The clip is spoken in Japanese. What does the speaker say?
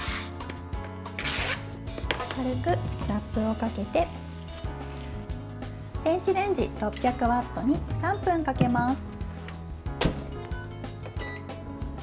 軽くラップをかけて電子レンジ６００ワットに３分かけます。